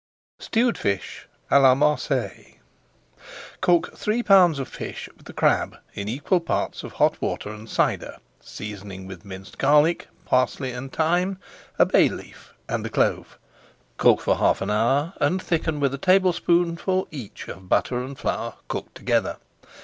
[Page 472] STEWED FISH À LA MARSEILLES Cook three pounds of fish with a crab in equal parts of hot water and cider, seasoning with minced garlic, parsley, and thyme, a bay leaf, and a clove. Cook for half an hour and thicken with a tablespoonful each of butter and flour cooked together.